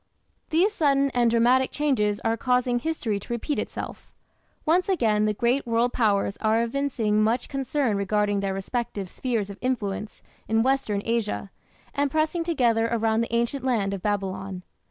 These sudden and dramatic changes are causing history to repeat itself. Once again the great World Powers are evincing much concern regarding their respective "spheres of influence" in Western Asia, and pressing together around the ancient land of Babylon.